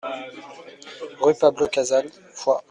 Rue Pablo Casals, Foix